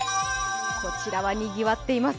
こちらはにぎわっています。